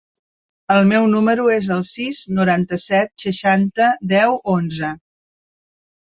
El meu número es el sis, noranta-set, seixanta, deu, onze.